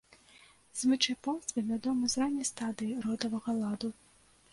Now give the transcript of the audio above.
Звычай помсты вядомы з ранняй стадыі родавага ладу.